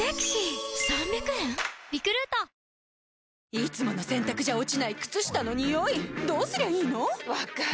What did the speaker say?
いつもの洗たくじゃ落ちない靴下のニオイどうすりゃいいの⁉分かる。